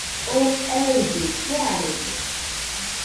Oo ellɨ jearede